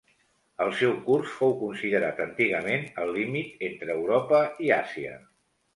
El seu curs fou considerat antigament el límit entre Europa i Àsia.